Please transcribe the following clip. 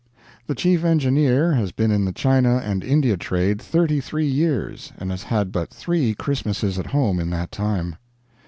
The Chief Engineer has been in the China and India trade thirty three years, and has had but three Christmases at home in that time